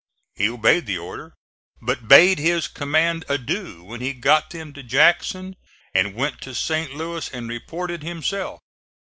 He obeyed the order, but bade his command adieu when he got them to Jackson, and went to St. Louis and reported himself.